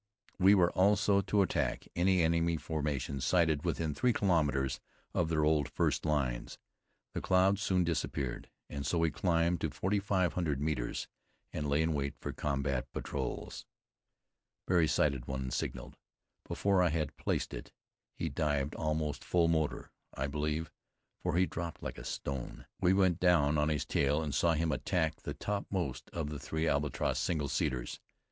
We were also to attack any enemy formations sighted within three kilometres of their old first lines. The clouds soon disappeared and so we climbed to forty five hundred metres and lay in wait for combat patrols. Barry sighted one and signaled. Before I had placed it, he dived, almost full motor, I believe, for he dropped like a stone. We went down on his tail and saw him attack the topmost of three Albatross single seaters.